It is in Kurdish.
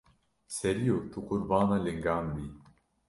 Seriyo tu qurbana lingan bî.